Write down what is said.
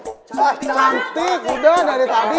ah cantik udah dari tadi